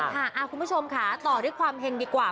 คุณผู้ชมค่ะต่อด้วยความเห็งดีกว่า